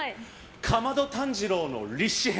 「竈門炭治郎の立志編」。